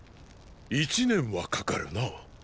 一年はかかるな。